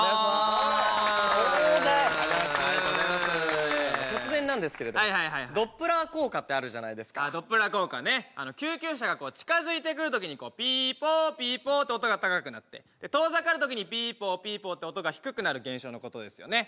・ありがとうございます突然なんですけれどもドップラー効果ってあるじゃないですかドップラー効果ね救急車が近づいてくるときに「ピーポーピーポー」って音が高くなって遠ざかるときに「ピーポーピーポー」って音が低くなる現象のことですよね